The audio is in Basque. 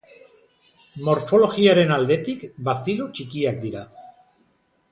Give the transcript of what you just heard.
Morfologiaren aldetik bazilo txikiak dira.